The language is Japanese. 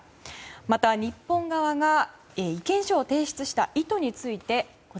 また、日本側が意見書を提出した意図について。